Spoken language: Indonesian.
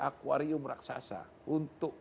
aquarium raksasa untuk